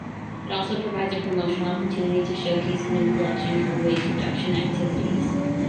It also provides a promotional opportunity to showcase new collection or waste reduction activities.